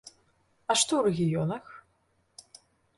А што ў рэгіёнах?